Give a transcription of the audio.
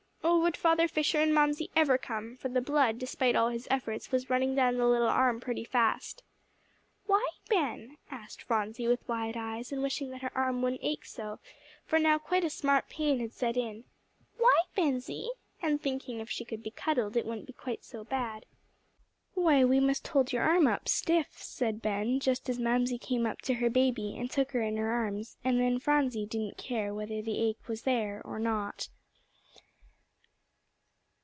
Oh, would Father Fisher and Mamsie ever come! for the blood, despite all his efforts, was running down the little arm pretty fast. "Why, Ben?" asked Phronsie, with wide eyes, and wishing that her arm wouldn't ache so, for now quite a smart pain had set in. "Why, Bensie?" and thinking if she could be cuddled, it wouldn't be quite so bad. "Why, we must hold your arm up stiff," said Ben, just as Mamsie came up to her baby, and took her in her arms; and then Phronsie didn't care whether the ache was there or not.